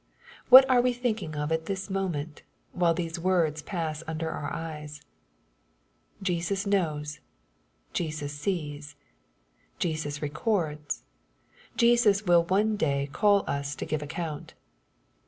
What are we think ing of at this moment, while these words pass under our eyes ? Jesus knows. Jesus sees. Jesus records. Jesus will one day call us to give account.